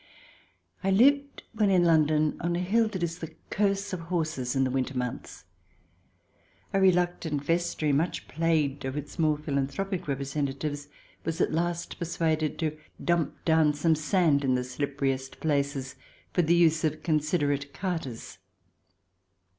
I lived, when in London, on a hill that is the curse of horses in the winter months. A reluctant vestry, much plagued of its more philanthropic represen tatives, was at last persuaded to dump down some sand in the slipperiest places for the use of con CH. I] HOW ONE BECOMES AN ALIEN 7 siderate carters.